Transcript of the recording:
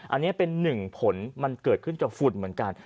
อันนี้เป็นหนึ่งผลมันเกิดขึ้นจากฝุ่นเหมือนกัน